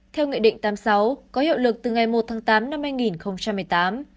theo nghị định tám mươi sáu có hiệu lực từ ngày một tháng tám năm hai nghìn một mươi tám